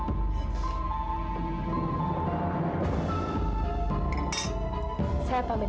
kamu senang banget